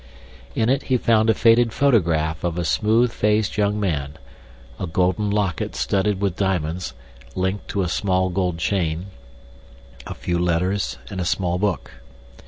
In it he found a faded photograph of a smooth faced young man, a golden locket studded with diamonds, linked to a small gold chain, a few letters and a small book.